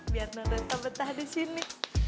biar non dosa betah di sini